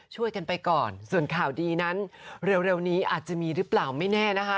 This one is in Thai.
ช่วยกันไปก่อนส่วนข่าวดีนั้นเร็วนี้อาจจะมีหรือเปล่าไม่แน่นะคะ